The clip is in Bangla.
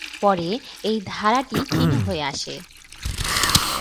পরে এই ধারাটি ক্ষীণ হয়ে আসে।